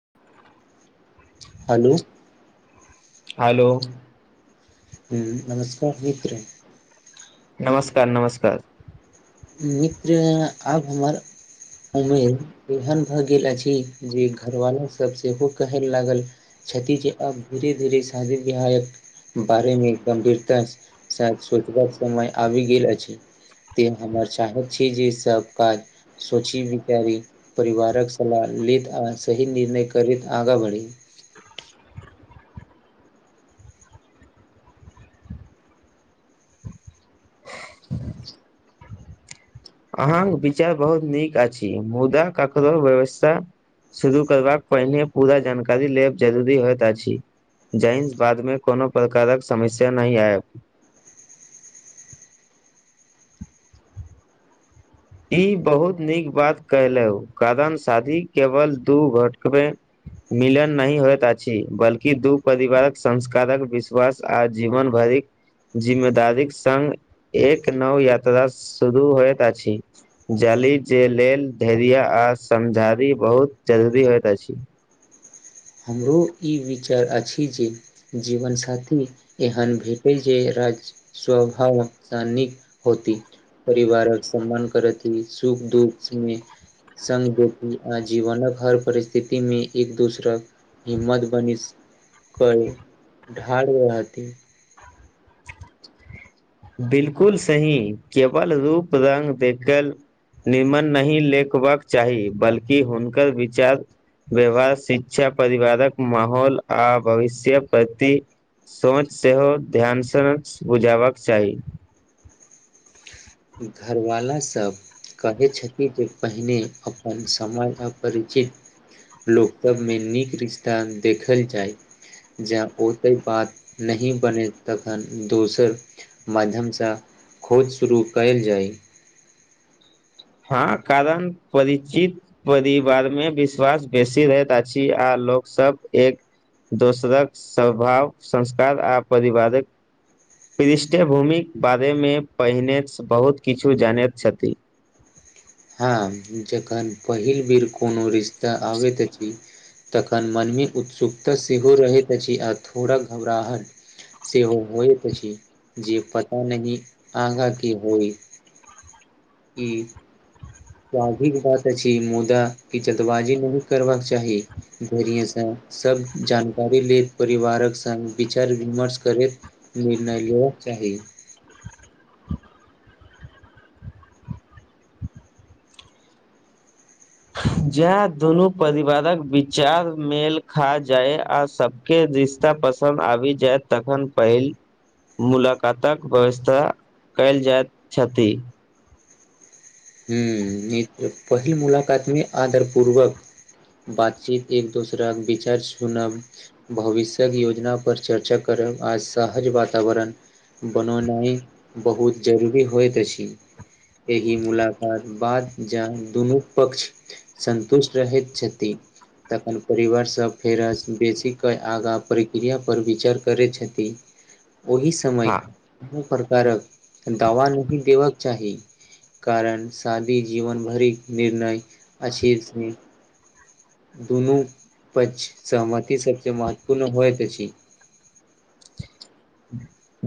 [inaudible] hello hello हूॅं नमस्कार मित्र नमस्कार नमस्कार मित्र आब हमर उमेर एहन भए गेल अछि जे घरवाला सभ सेहो कहय लागल छथि जे अब धीेरे धीरे शादी विहायक बारे मे गंभीरता साथ सोचबाक समय आबि गेल अछि तें हमर चाहैत छी जे सब काज सोची विचारी परिवारक सलाह लैत आ सही निर्णय करैत आगाँ बढ़ी अहाँक विचार बहुत नीक अछि मुद्दा ककरो व्यवस्था शुरू करबाक पहिने पूरा जानकारी लेब जरूरी होइत अछि जाहिम बादमे कोनो प्रकारक समस्या नहि आयब ई बहुत नीक बात कलैउ कारण शादी केवल दू घटकमे मिलन नहि होइत अछि बल्कि दू परिवारक संस्कारक विश्वास आ जीवन भरिक जिम्मेदारीक संग एक नव यात्रा शुरू होइत अछि जाली जे लेल धैर्य आ समझारी बहुत जरूरी होइत अछि हमरो ई विचार अछि जे जीवनसाथी एहन भेटै जे राज्य स्वभाव स्थानिक होती परिवारक सम्मान करत ई सुख दुःख सब मे संग [unintelligible] आ जीवनक हर परिस्थितिमे एक दोसरक हिम्मत बनी करै ढाल रहती बिलकुल सही केवल रूप रंग देखल निमन नहि लेखबाक चाही बल्कि हुनकर विचार व्यवहार शिक्षा परिवारक माहौल आ भविष्य प्रति सोच सेहो ध्यानसँ बुझबाक चाही घर वाला सब कहै छथि जे पहिने अपन समय अपरिचित लोक सभमे नीक रिश्ता देखल जाय जाउ ओतै बात नही बने तखन दोसर माध्यमसँ खोज शुरू कयल जाय हँ कारण परिचित परिवारमे विश्वास बेसी रहैत अछि आ लोक सब एक दोसरक स्वभाव संस्कार आ परिवारक पृष्ठभूमिक बारेमे पहिनेसँ बहुत किछु जानैत छथि हँ जखन पहिल बेर कोनो रिश्ता आबैत अछि तखन मनमे उत्सुकता सेहो रहैत अछि आ थोड़ा घबराहट सेहो होइत अछि जे पता नह आगा की होइ की सधी बात अछि मुदा क चल्दबाजी नहि करबाक चाही धैरेसँ सब जानकारी लेत परिवारक संग विचार विमर्श करैत निर्णय लेबाक चाहि जे दुनू परिवारक विचार मेल खा जाय आ सभ के रिश्ता पसन्द आबि जायत तखन पहिल मुलाकातक व्यवस्था कयल जाइत छथि हूं पहिल मुलाकात मे आदर पूर्वक बातचीत एक दोसराक विचार सुनब भविष्य्यक योजना पर चर्चा करब आज सहज वातावरण बनौनाइ बहुत जरूरी होइत अछि एहि मुला बाद जान दुनू पक्ष सन्तुष्ट रहैत छथि तखन परिवार सब फेर बेसीे आगाँ प्रक्रिया पर विचार करै छथि ओहिस समय हँ कोनो प्रकारक दावा नहि देबक चाहि कारण शादी जीवन भरिक निर्णय अछि दुनू पक्ष सहमति सबसँ महत्वपूर्ण होइत अछि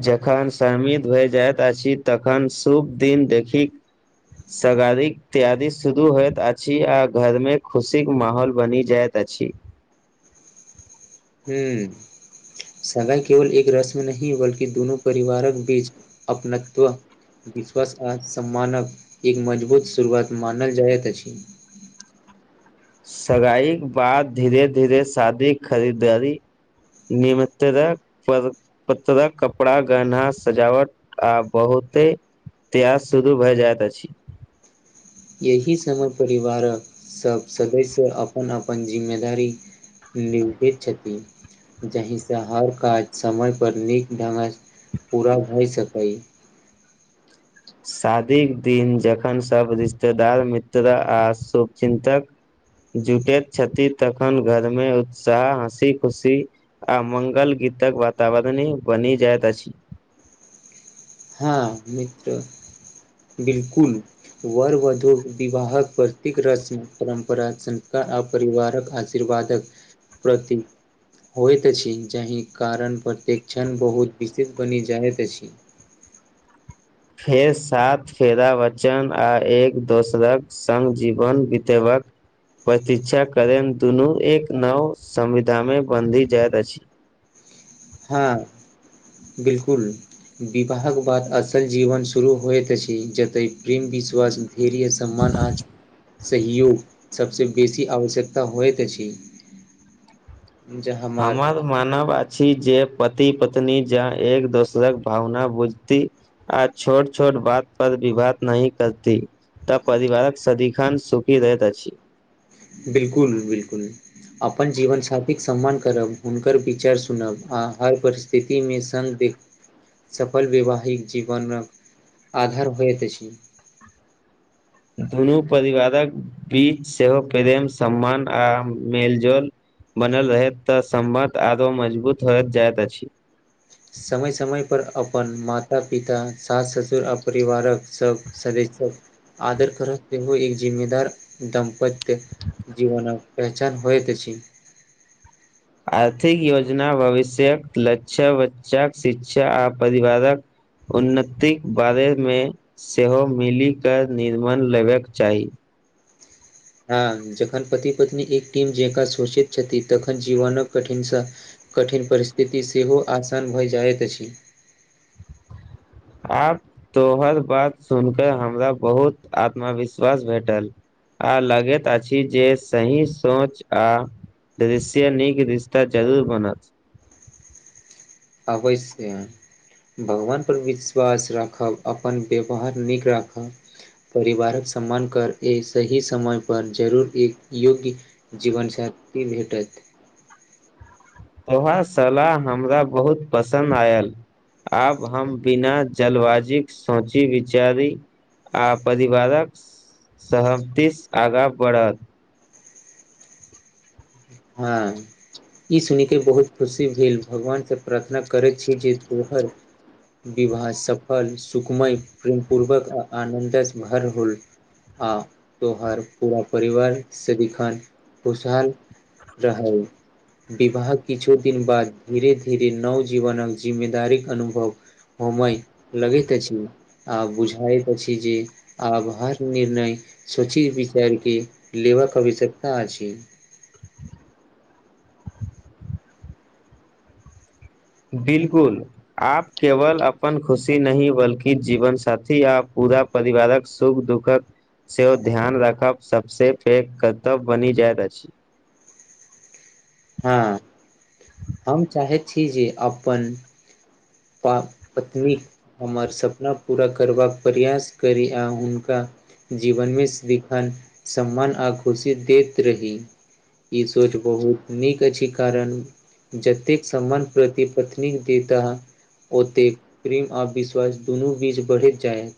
जेखन शाहमती भए जाइत अछि तखन शुभ दिन देखि सगारीक तैयारी शुरू होइत अछि आ घर मे खुशीके माहौल बनि जाइत अछि हूँ समय केवल एक रस्म नहि बल्कि दुनू परिवारक बीच अपनत्व विश्वास आ सम्मानक एक मजबूत शुरुआत मानल जायत अछि सगाई बाद धीरे धीरे शादीक खरीदारी निमितरक पर पत्रक कपड़ा गहना सजावट आ बहुते त्यास सुरू भए जायइत अछि यही समय परिवारक सब सदस्य अपन अपन जिम्मेदारी निभवैत छथि जाहिसँ हर काज समय पर नीक ढंगसँ पूरा भए सकै शादीके दिन जखन सभ रिश्तेदार मित्र आ शुभचिन्तक जुटैत छथि तखन घर मे उत्साह हँसी खुशी आ मंगल गीतक वातावरणी बनि जाइत अछि हँ मित्र बिल्कुल वरवधू विवाहक प्रतीक रस्म परम्परा संस्कार आ परिवारक आशीर्वादक प्रति होइत अछि जाहि कारण प्रतेक क्षण बहुत विशेष बनि जाइत अछि फेर सात फेरा वचन आ एक दोसराक संग जीवन बीतेबाक प्रतीक्षा करे दुनू एक नव संविधा मे बंधी जायइत अछि हाँ बिल्कुल विवाहक बाद असल जीवन शुरू होइत अछि जतय प्रेम विश्वास धेरय सम्मान आज सहयोग सभसँ बेसी आवश्यकता होइत अछि हमर मानव अछि जे पति पत्नी जा एक दोसरक भावना बुझती आ छोट छोट बात पर विवाद नही करती तऽ परिवारक सदिखन सुखी रहैत अछि बिलकुल बिलकुल अपन जीवन साथीके सम्मान करब हुनकर विचार सुनब आ हर परि- स्थितिमे सदिग्ध सफल वैवाहिक जीवनक आधार होइत अछि दुनू परिवारक बीच सेहो प्रेम सम्मान आ मेल जोल बनल रहे तऽ समबत आरो मजबूत होत जायइत अछि समय समय पर अपन माता पिता सास ससुर आ परिवारक सब सदस्य आदर करत इहो एक जिम्मेदार दम्पत्य जीवन पहचान होइत तऽ अछि आर्थिक योजना भविष्यक लक्ष्य बच्चा शिक्षा आ परिवारक उन्नतिक बारेमे सेहो मिली केऽ निर्यण लेबयके चाही हँ जखन पति पत्नी एक टीम जका सोचित छथि तखन जीवनक कठिन कठिन परिस्थिति सेहो आसान भऽ जाइत अछि आब तोहर बात सुन कऽ हमरा बहुत आत्मविश्वास भेटल आ लगैत अछि जे सही सोच आ दृश्य नीक रिश्ता जरूर बनत अवश्य भगवानपर विश्वास राखब अपन व्यवहार नीक राखब परिवारक सम्मान कर एहि सही समय पर जरूर एक योग्य जीवन साथी भेटत अहाँक सलाह हमरा बहुत पसन्द आयल आब हम बिना जलबाजी सोची विचारी आ परिवारक सहमतिसँ आगाँ बढ़त हँ ई सुन कऽ बहुत खुशी भेल भगवानसँ प्रार्थना करैत छी तोहर विवाह सफल सुखमय प्रेम पूर्वक आ आनन्द भरल होल आ तोहर पूरा परिवार सदिखन खुशहाल रहै विवाह किछु दिन बाद धीरे धीरे नव जीवनक जिम्मेदारी अनुभव होमय लगैत अछि आ बुझायैत अछि जे आब हर निर्णय सोची विचार के लेबाक आवश्यकता अछि बिल्कुल आप केवल अपन खुशी नहि बल्कि जीवन साथी आ पूरा परिवारक सुख दुःखक सेहो ध्यान राखब सभसँ पैघ कर्तव्य बनि जाइत अछि हँ हम चाहैत छी जे अपन प पत्नी हमर सपना पूरा करबाक प्रयास करी आ हुनका जीवन मे सदिखन सम्मान आ खुशी देैत रही ई सोच बहुत नीक अछि कारण जतेक समान प्रति पत्नीक देता ओतेक प्रेम आविश्वास दुनू बीच बढ़ैत जायत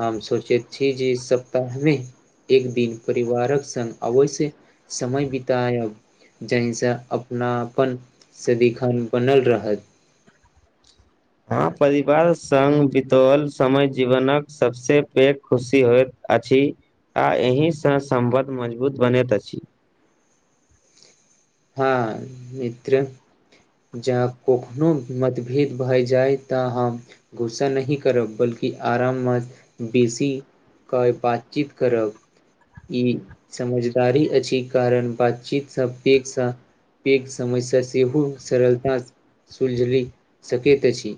हम सोचे छी जी इ सप्ताहमे एक दिन परिवारक संङ्ग अवश्य समय बितायब जाहिसँ अपनापन सदिखन बनल रहत हँ परिवार सङ्ग बितौल समय जीवनके सभसँ पैघ खुशी होयत अछि आ एहिसँ सम्बंध मजबूत बनैत अछि हँ मित्र जँ कखनोहु मतभेद भए जाय तऽ हम गुस्सा नहि करब बल्कि आराममे बेसी क बातचीत करब ई समझदारी अछि कारण बातचीत सब एक साथ पेघ समस्या से हो सरलता सँ सुलझरि सकैत अछि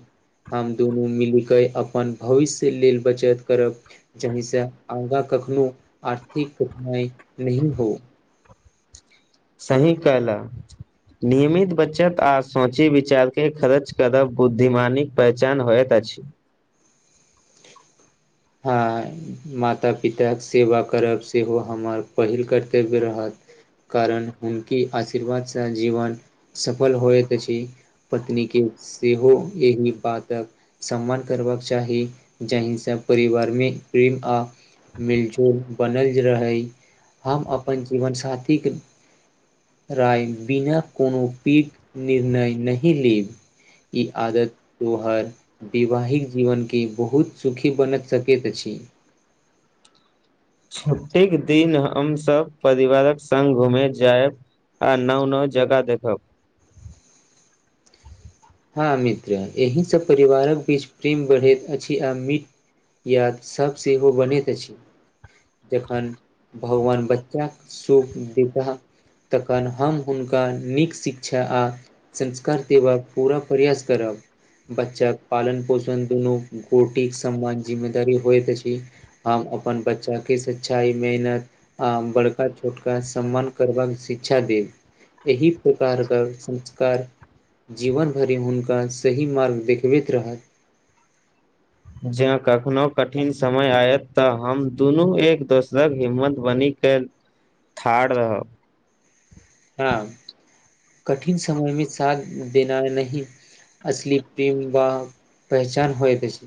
हम दुनू मिल के अपन भविष्य लेल बचत करब जाहिसँ आगाँ कखनो आर्थिक कठिनाई नही हो सही कहल नियमित बचत आर सोचे विचारके खर्च करब बुद्धिमानी पहचान होैयत अछि हँ माता पिताक सेवा करब सेहो हमर पहिल कर्तव्य रहत कारण हुनके आशीर्वादसँ जीवन सफल होएत अछि पत्नीके सेहो एहिह बातक सम्मान करबाक चाही जाहि सब परिवार मे प्रेम आ मिलजोल बनल रहै हम अपन जीवन साथीके राय बिना कोनो पीघ निर्णय नहि लेब ई आदत तोहार वैवाहिक जीवन के बहुत सुखी बनत सकेत अछि छुट्टीके दिन हमसभ परिवारक सङ्ग घूमेय जायब आ नओ नओ जगा देखब हँ मित्र एहि सब परिवारक बीच प्रेम बढ़ैत अछि आ मि याद सब सेहो बनैत अछि जखन भगवान बच्चाके सुख देता तखन हम हुनका नीक शिक्षा आ संस्कार देबाक पूरा प्रयास करब बच्चा पालन पोषण दुनू गोटे सम्मान जिम्मेदारी होइत अछि हम अपन बच्चाके सच्चाइ मेहनत आ बड़का छोटका सम्मान करबाक शिक्षा दे इही प्रकारक संस्कार जीवन भरि हुनका सही मार्ग देखबैत रहत जँ कखनो कठिन समय आयत तऽ हम दुनू एक दोसरक हिम्मत बनी के ठार रहब हँ कठिन समय मे साथ देना नहि असली पिओवा पहचान होइ त अछि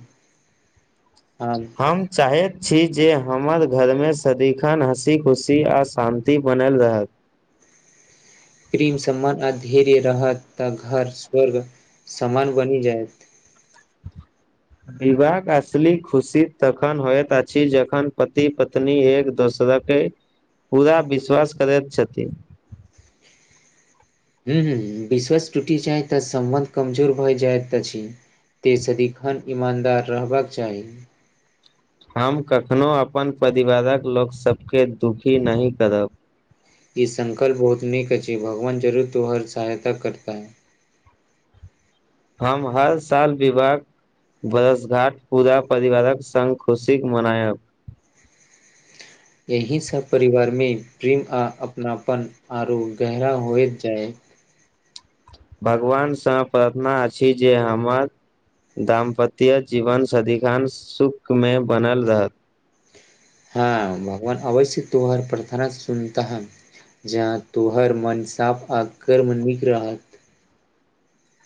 हम चाहैत छी जे हमर घरमे सदिखन हँसी खुशी आ शान्ति बनल रहत प्रेम सम्मान आ धैर्य रहत तऽ घर स्वर्ग समान बनि जायत विवाहक असली खुशी तखन होइत अछि जखन पति पत्नी एक दोसरक कै पूरा विश्वास करैत छथिन हुँ हुँ विश्वास टूटि जाय तऽ सम्बन्ध कमजोर भए जायत अछि ते सदिखन ईमानदार रहबाक चाही हम कखनो अपन परिवारक लोकसबके दुखी नहि करब ई संकल्प बहुत नीक अछि भगवान जरूर तो हर सहायता करता हम हर साल विवाह बरस घाट पूरा परिवारक संग खुशीक मनायब एही सब परिवार मे प्रेम आ अपनापन आरो गहरा होइत जाय भगवानसँ प्रार्थना अछि जे हमर दाम्पत्य जीवन सदिखन शुकमे बनल रहत हँ भगवान अवश्य तोहर प्रार्थना सुनतह जहाँ तोहर मन साफ आ कर्म नीक रहत